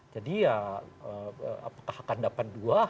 jadi ya apakah akan dapat dua